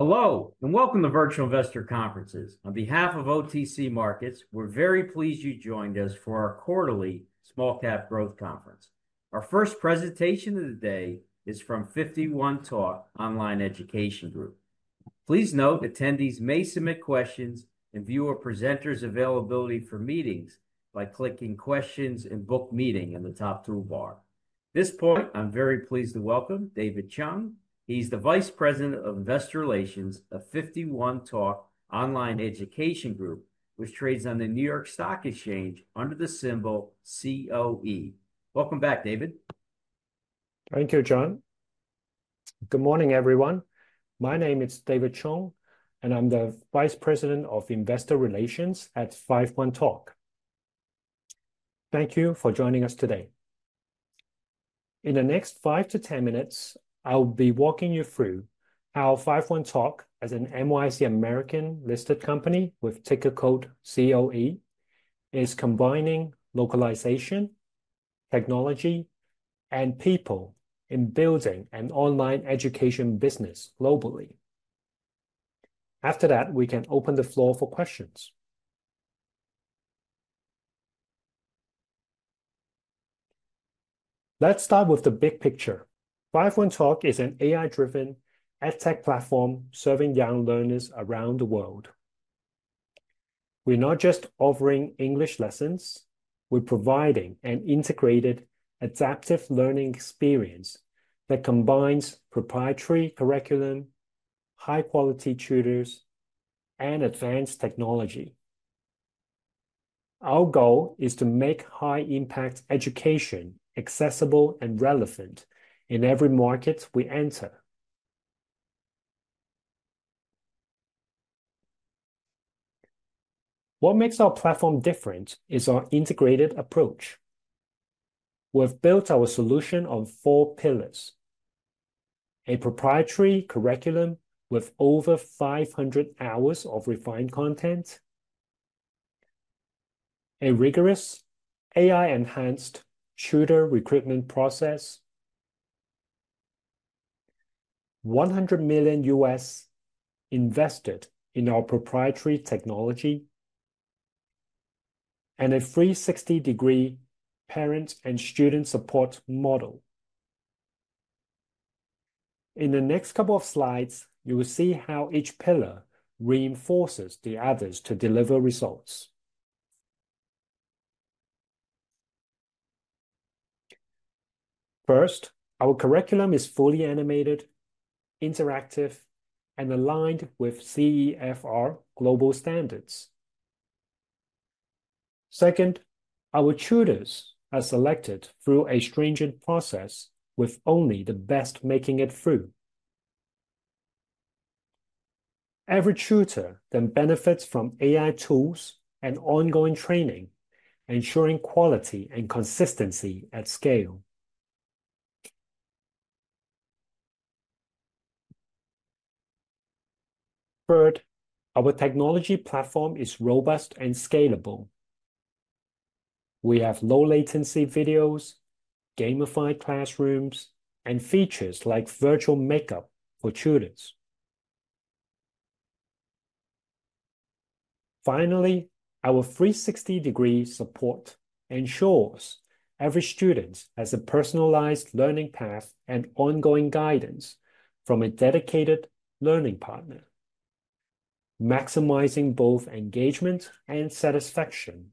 Hello, and welcome to Virtual Investor Conferences. On behalf of OTC Markets, we're very pleased you joined us for our quarterly Small Cap Growth Conference. Our first presentation of the day is from 51Talk Online Education Group. Please note attendees may submit questions and view our presenters' availability for meetings by clicking "Questions" and "Book Meeting" in the top toolbar. At this point, I'm very pleased to welcome David Chung. He's the Vice President of Investor Relations at 51Talk Online Education Group, which trades on the New York Stock Exchange under the symbol COE. Welcome back, David. Thank you, John. Good morning, everyone. My name is David Chung, and I'm the Vice President of Investor Relations at 51Talk. Thank you for joining us today. In the next five to 10 minutes, I'll be walking you through how 51Talk, as an NYSE American-listed company with ticker code COE, is combining localization, technology, and people in building an online education business globally. After that, we can open the floor for questions. Let's start with the big picture. 51Talk is an AI-driven edtech platform serving young learners around the world. We're not just offering English lessons; we're providing an integrated, adaptive learning experience that combines proprietary curriculum, high-quality tutors, and advanced technology. Our goal is to make high-impact education accessible and relevant in every market we enter. What makes our platform different is our integrated approach. We've built our solution on four pillars: a proprietary curriculum with over 500 hours of refined content, a rigorous AI-enhanced tutor recruitment process, $100 million invested in our proprietary technology, and a free 360-degree parent and student support model. In the next couple of slides, you will see how each pillar reinforces the others to deliver results. First, our curriculum is fully animated, interactive, and aligned with CEFR global standards. Second, our tutors are selected through a stringent process, with only the best making it through. Every tutor then benefits from AI tools and ongoing training, ensuring quality and consistency at scale. Third, our technology platform is robust and scalable. We have low-latency videos, gamified classrooms, and features like virtual makeup for tutors. Finally, our 360-degree support ensures every student has a personalized learning path and ongoing guidance from a dedicated learning partner, maximizing both engagement and satisfaction.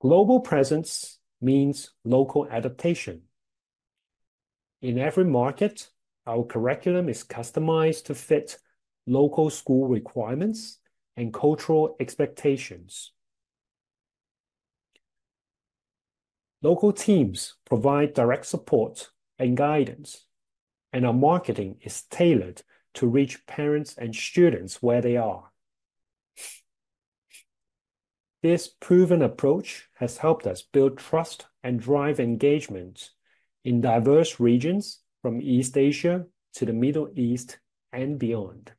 Global presence means local adaptation. In every market, our curriculum is customized to fit local school requirements and cultural expectations. Local teams provide direct support and guidance, and our marketing is tailored to reach parents and students where they are. This proven approach has helped us build trust and drive engagement in diverse regions, from East Asia to the Middle East and beyond.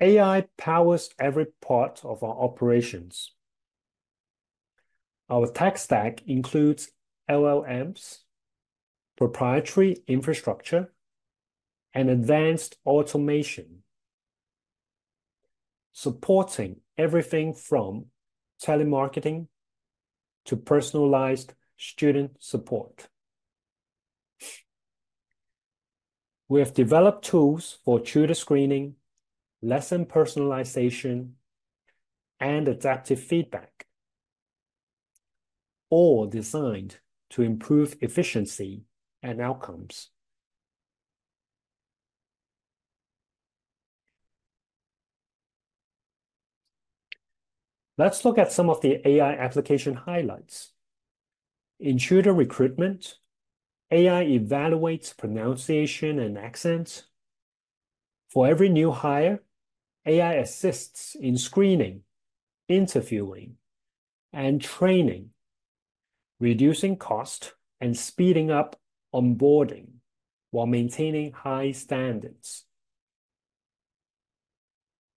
AI powers every part of our operations. Our tech stack includes LLMs, proprietary infrastructure, and advanced automation, supporting everything from telemarketing to personalized student support. We have developed tools for tutor screening, lesson personalization, and adaptive feedback, all designed to improve efficiency and outcomes. Let's look at some of the AI application highlights. In tutor recruitment, AI evaluates pronunciation and accent. For every new hire, AI assists in screening, interviewing, and training, reducing cost and speeding up onboarding while maintaining high standards.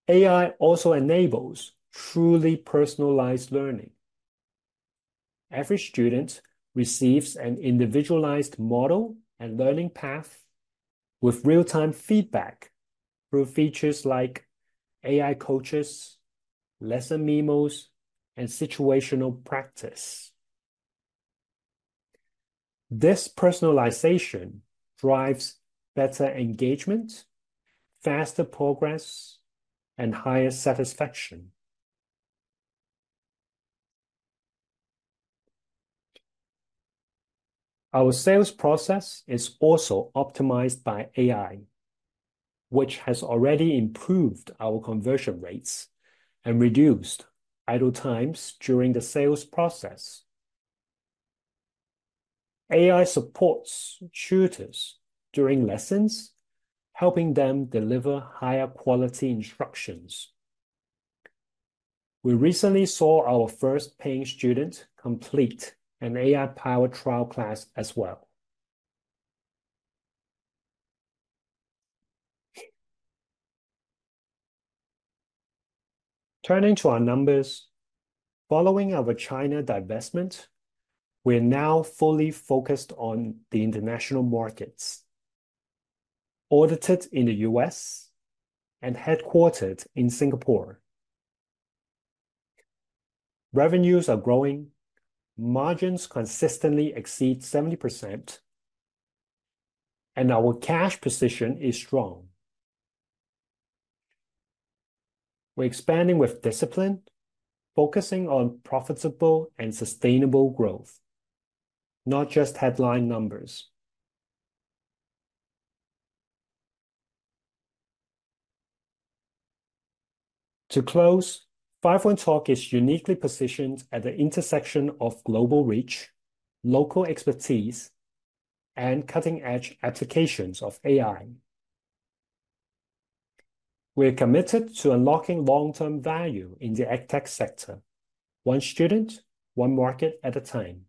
AI also enables truly personalized learning. Every student receives an individualized model and learning path with real-time feedback through features like AI coaches, lesson memos, and situational practice. This personalization drives better engagement, faster progress, and higher satisfaction. Our sales process is also optimized by AI, which has already improved our conversion rates and reduced idle times during the sales process. AI supports tutors during lessons, helping them deliver higher quality instructions. We recently saw our first paying student complete an AI-powered trial class as well. Turning to our numbers, following our China divestment, we're now fully focused on the international markets, audited in the U.S. and headquartered in Singapore. Revenues are growing, margins consistently exceed 70%, and our cash position is strong. We're expanding with discipline, focusing on profitable and sustainable growth, not just headline numbers. To close, 51Talk is uniquely positioned at the intersection of global reach, local expertise, and cutting-edge applications of AI. We're committed to unlocking long-term value in the edtech sector, one student, one market at a time.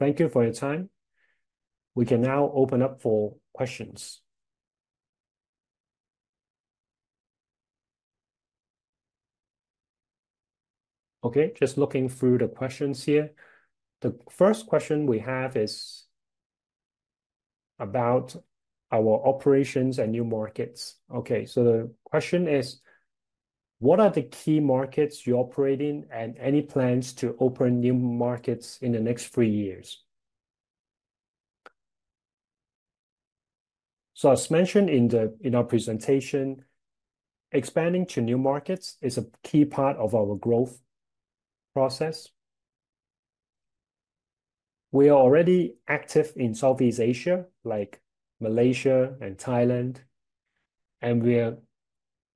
Thank you for your time. We can now open up for questions. Okay, just looking through the questions here. The first question we have is about our operations and new markets. Okay, so the question is, what are the key markets you're operating and any plans to open new markets in the next three years? As mentioned in our presentation, expanding to new markets is a key part of our growth process. We are already active in Southeast Asia, like Malaysia and Thailand, and we're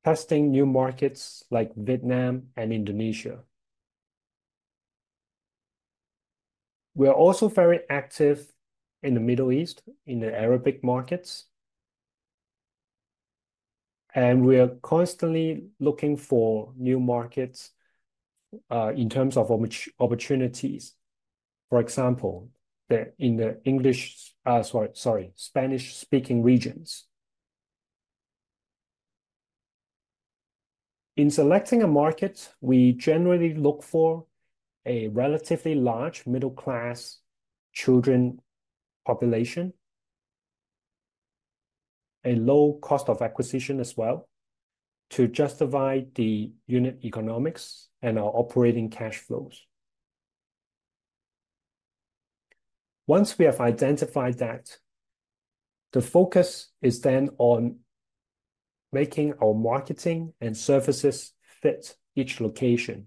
testing new markets like Vietnam and Indonesia. We're also very active in the Middle East, in the Arabic markets, and we're constantly looking for new markets in terms of opportunities, for example, in the English—sorry, sorry—Spanish-speaking regions. In selecting a market, we generally look for a relatively large middle-class children population, a low cost of acquisition as well, to justify the unit economics and our operating cash flows. Once we have identified that, the focus is then on making our marketing and services fit each location.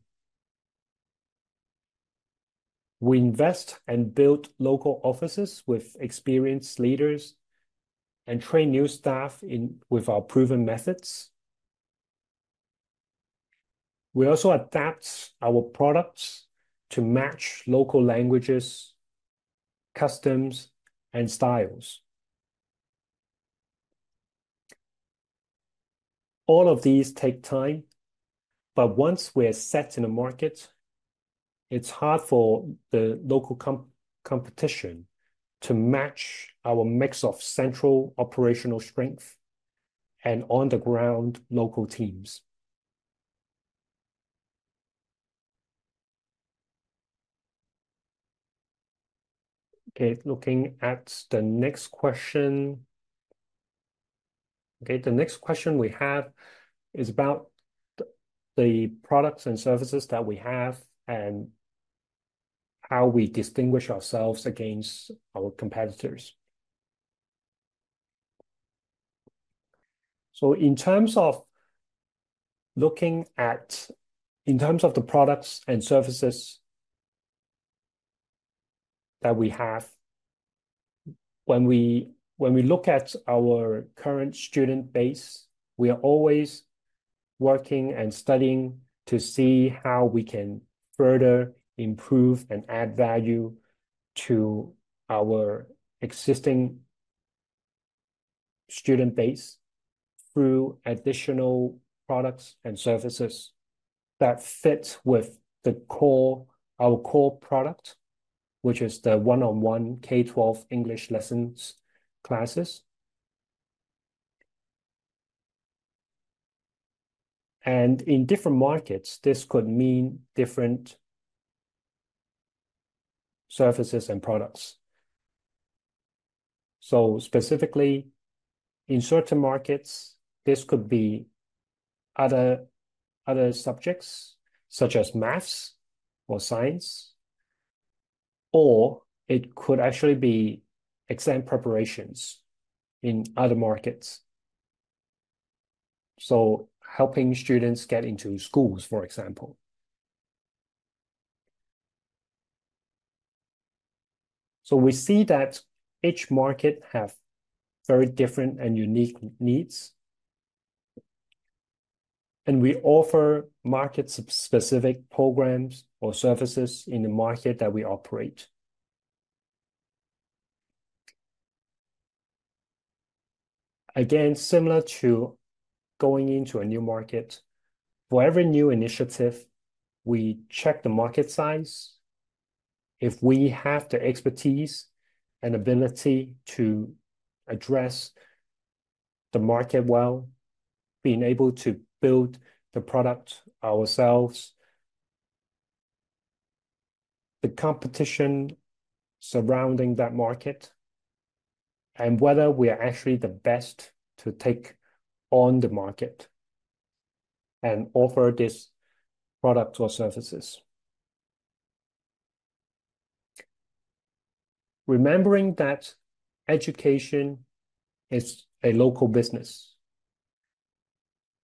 We invest and build local offices with experienced leaders and train new staff with our proven methods. We also adapt our products to match local languages, customs, and styles. All of these take time, but once we're set in a market, it's hard for the local competition to match our mix of central operational strength and on-the-ground local teams. Okay, looking at the next question. Okay, the next question we have is about the products and services that we have and how we distinguish ourselves against our competitors. In terms of looking at—in terms of the products and services that we have, when we look at our current student base, we are always working and studying to see how we can further improve and add value to our existing student base through additional products and services that fit with our core product, which is the one-on-one K-12 English lessons classes. In different markets, this could mean different services and products. Specifically, in certain markets, this could be other subjects such as maths or science, or it could actually be exam preparations in other markets, helping students get into schools, for example. We see that each market has very different and unique needs, and we offer market-specific programs or services in the market that we operate. Again, similar to going into a new market, for every new initiative, we check the market size. If we have the expertise and ability to address the market well, being able to build the product ourselves, the competition surrounding that market, and whether we are actually the best to take on the market and offer this product or services. Remembering that education is a local business.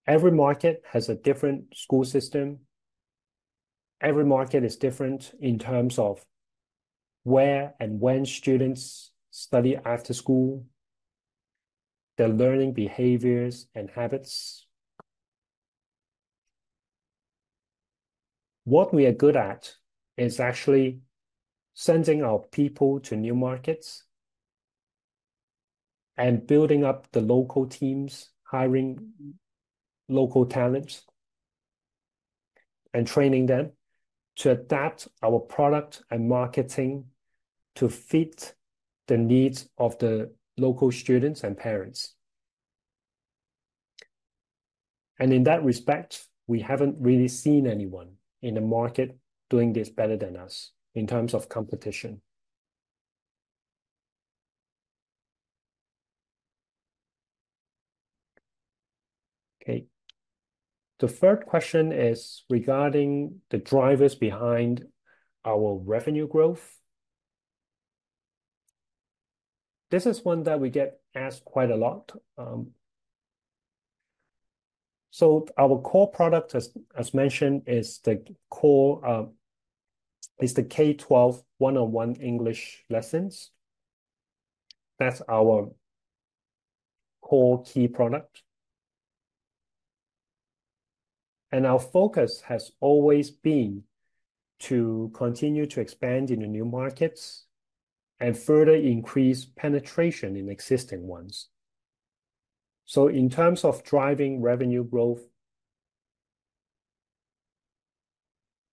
Every market has a different school system. Every market is different in terms of where and when students study after school, their learning behaviors, and habits. What we are good at is actually sending our people to new markets and building up the local teams, hiring local talents, and training them to adapt our product and marketing to fit the needs of the local students and parents. In that respect, we haven't really seen anyone in the market doing this better than us in terms of competition. The third question is regarding the drivers behind our revenue growth. This is one that we get asked quite a lot. Our core product, as mentioned, is the K-12 one-on-one English lessons. That's our core key product. Our focus has always been to continue to expand into new markets and further increase penetration in existing ones. In terms of driving revenue growth,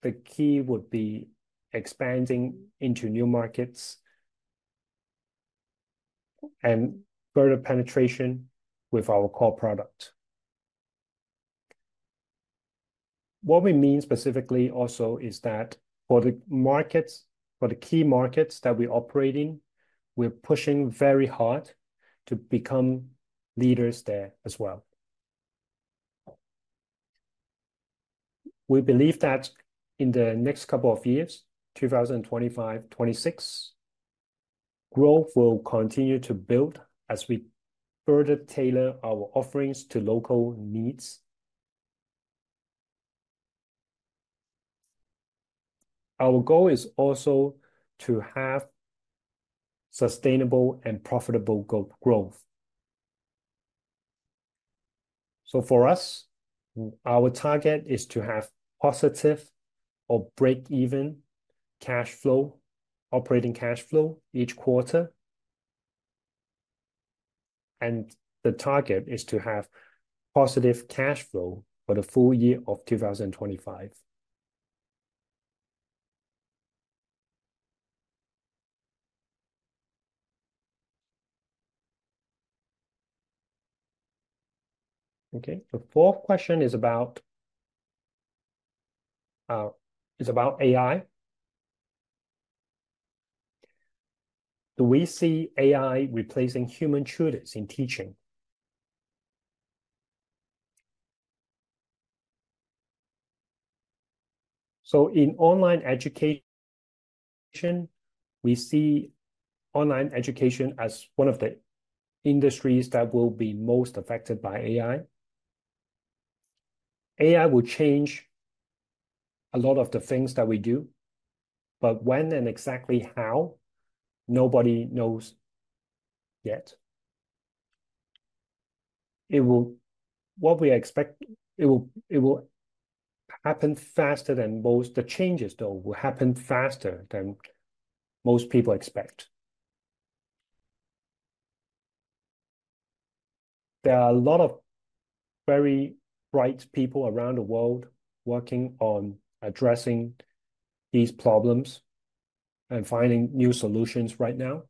the key would be expanding into new markets and further penetration with our core product. What we mean specifically also is that for the markets, for the key markets that we operate in, we're pushing very hard to become leaders there as well. We believe that in the next couple of years, 2025-2026, growth will continue to build as we further tailor our offerings to local needs. Our goal is also to have sustainable and profitable growth. For us, our target is to have positive or break-even cash flow, operating cash flow each quarter. The target is to have positive cash flow for the full year of 2025. Okay, the fourth question is about AI. Do we see AI replacing human tutors in teaching? In online education, we see online education as one of the industries that will be most affected by AI. AI will change a lot of the things that we do, but when and exactly how, nobody knows yet. What we expect, it will happen faster than most. The changes, though, will happen faster than most people expect. There are a lot of very bright people around the world working on addressing these problems and finding new solutions right now.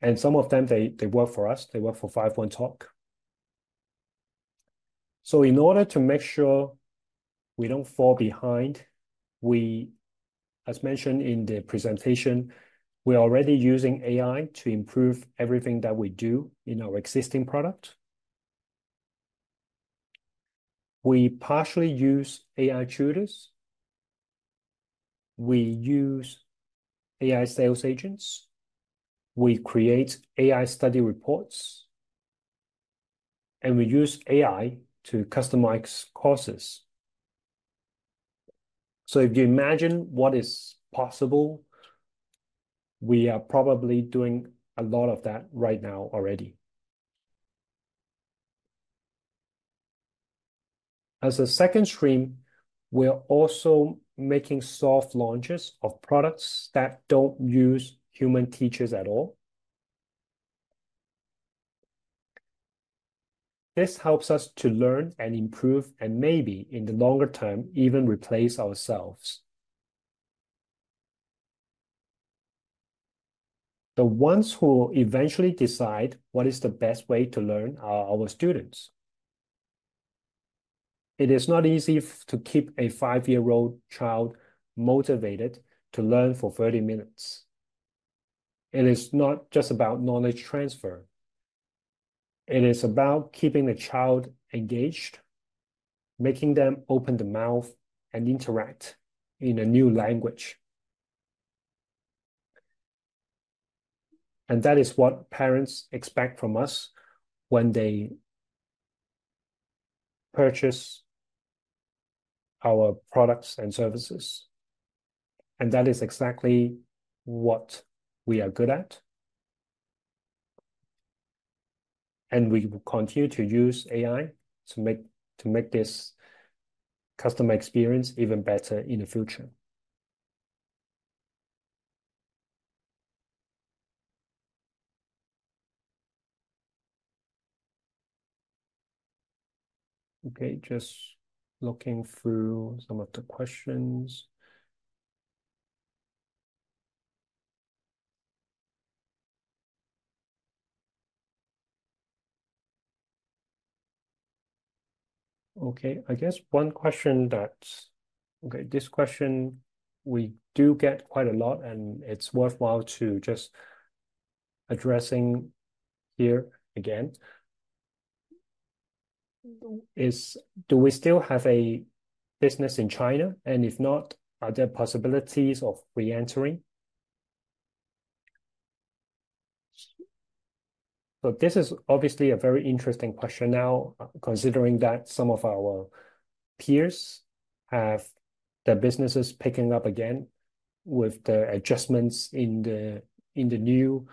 And some of them, they work for us. They work for 51Talk. In order to make sure we do not fall behind, we, as mentioned in the presentation, we are already using AI to improve everything that we do in our existing product. We partially use AI tutors. We use AI sales agents. We create AI study reports. We use AI to customize courses. If you imagine what is possible, we are probably doing a lot of that right now already. As a second stream, we are also making soft launches of products that do not use human teachers at all. This helps us to learn and improve and maybe, in the longer term, even replace ourselves. The ones who eventually decide what is the best way to learn are our students. It is not easy to keep a five-year-old child motivated to learn for 30 minutes. It is not just about knowledge transfer. It is about keeping the child engaged, making them open their mouth and interact in a new language. That is what parents expect from us when they purchase our products and services. That is exactly what we are good at. We will continue to use AI to make this customer experience even better in the future. Okay, just looking through some of the questions. Okay, I guess one question that—okay, this question we do get quite a lot, and it is worthwhile to just address here again—is: do we still have a business in China? If not, are there possibilities of re-entering? This is obviously a very interesting question now, considering that some of our peers have their businesses picking up again with the adjustments in the new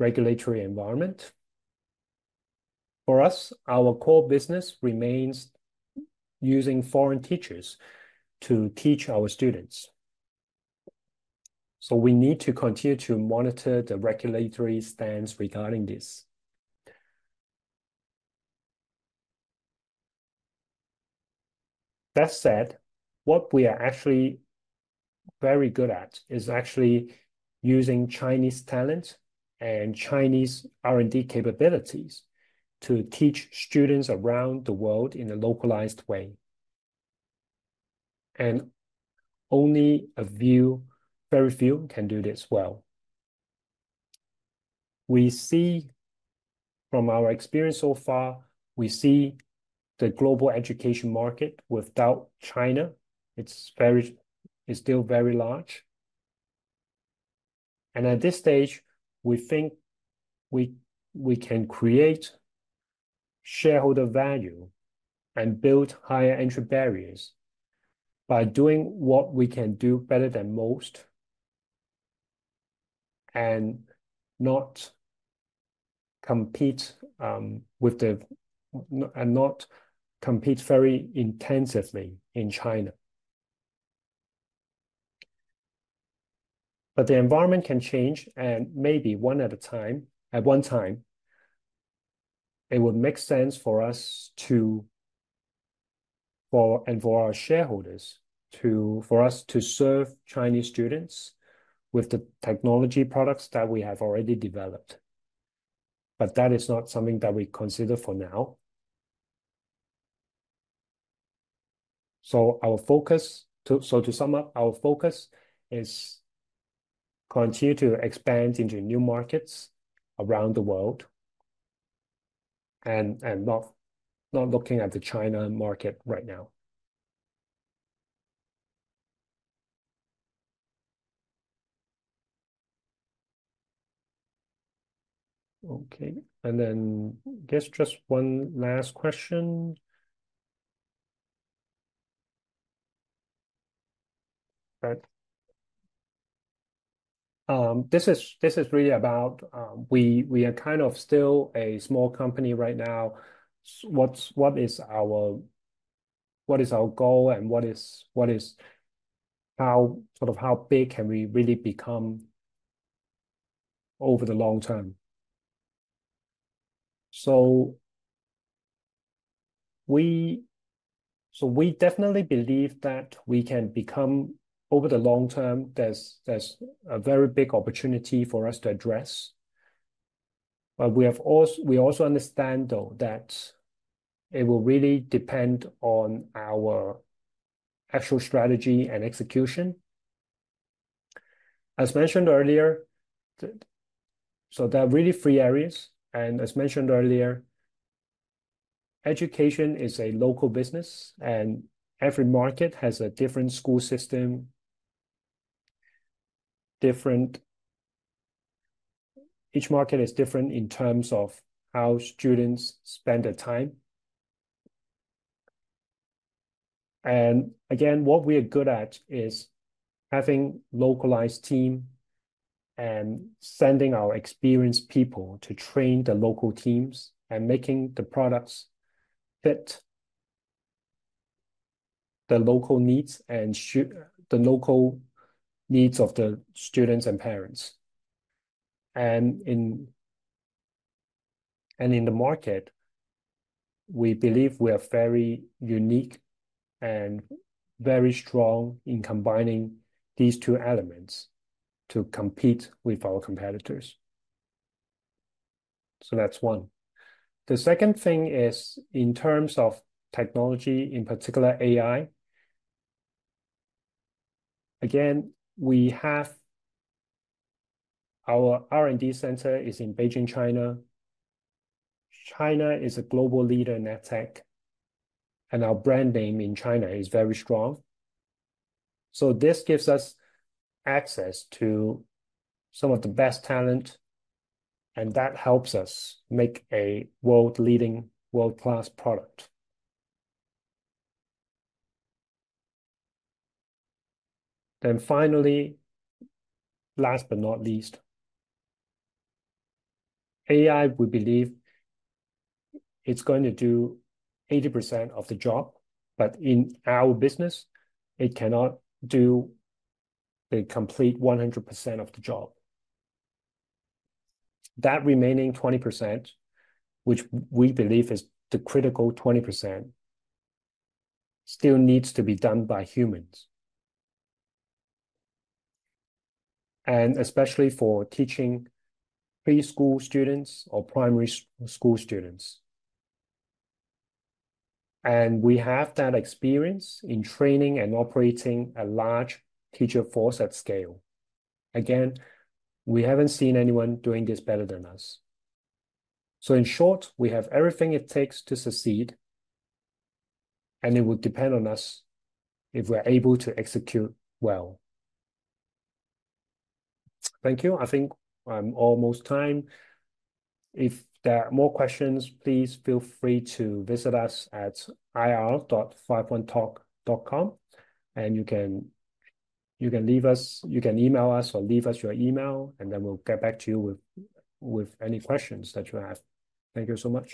regulatory environment. For us, our core business remains using foreign teachers to teach our students. We need to continue to monitor the regulatory stands regarding this. That said, what we are actually very good at is actually using Chinese talent and Chinese R&D capabilities to teach students around the world in a localized way. Only a few, very few, can do this well. We see from our experience so far, we see the global education market without China; it is still very large. At this stage, we think we can create shareholder value and build higher entry barriers by doing what we can do better than most and not compete very intensively in China. The environment can change, and maybe at one time, it would make sense for us and for our shareholders for us to serve Chinese students with the technology products that we have already developed. That is not something that we consider for now. To sum up, our focus is to continue to expand into new markets around the world and not looking at the China market right now. Okay, I guess just one last question. This is really about—we are kind of still a small company right now. What is our goal, and what is sort of how big can we really become over the long term? We definitely believe that we can become, over the long term, there's a very big opportunity for us to address. We also understand, though, that it will really depend on our actual strategy and execution. As mentioned earlier, there are really three areas. As mentioned earlier, education is a local business, and every market has a different school system. Each market is different in terms of how students spend their time. Again, what we are good at is having a localized team and sending our experienced people to train the local teams and making the products fit the local needs and the local needs of the students and parents. In the market, we believe we are very unique and very strong in combining these two elements to compete with our competitors. That is one. The second thing is in terms of technology, in particular AI. Again, we have our R&D center in Beijing, China. China is a global leader in EdTech, and our brand name in China is very strong. This gives us access to some of the best talent, and that helps us make a world-class product. Finally, last but not least, AI, we believe, is going to do 80% of the job, but in our business, it cannot do the complete 100% of the job. That remaining 20%, which we believe is the critical 20%, still needs to be done by humans, and especially for teaching preschool students or primary school students. We have that experience in training and operating a large teacher force at scale. Again, we have not seen anyone doing this better than us. In short, we have everything it takes to succeed, and it will depend on us if we are able to execute well. Thank you. I think I am almost out of time. If there are more questions, please feel free to visit us at ir.51talk.com, and you can email us or leave us your email, and then we will get back to you with any questions that you have. Thank you so much.